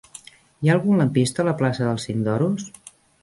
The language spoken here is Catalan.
Hi ha algun lampista a la plaça del Cinc d'Oros?